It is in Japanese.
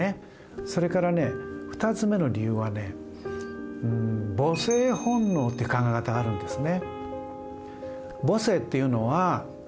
それからね２つ目の理由はね母性本能っていう考え方があるんですね。